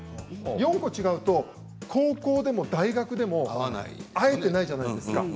４個違うと高校でも大学でも会えていないじゃないですか。